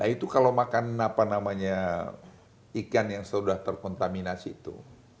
itu kalau makan apa namanya ikan yang sudah terkontaminasi itu